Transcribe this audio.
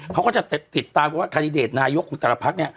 เขาก็จะติดตามว่าคาดิเดตนายกคุณแต่ละภักดิ์เนี่ย